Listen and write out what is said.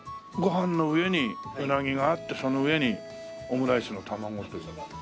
ご飯の上にうなぎがあってその上にオムライスの卵と。